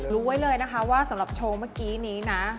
รู้ไว้เลยนะคะว่าสำหรับโชว์เมื่อกี้นี้นะ